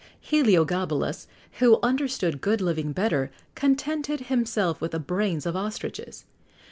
Heliogabalus, who understood good living better, contented himself with the brains of ostriches.